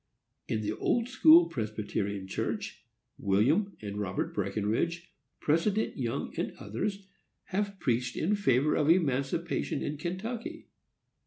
In the Old school Presbyterian Church, William and Robert Breckenridge, President Young, and others, have preached in favor of emancipation in Kentucky.